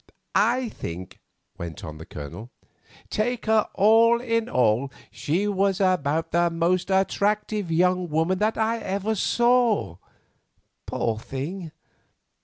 "I think," went on the Colonel, "take her all in all, she was about the most attractive young woman that ever I saw, poor thing.